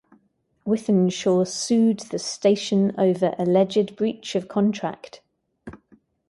Withenshaw sued the station over alleged breach of contract.